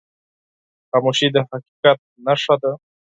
خاموشي، د حقیقت نښه ده.